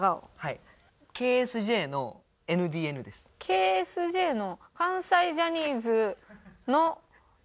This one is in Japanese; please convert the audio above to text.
ＫＳＪの？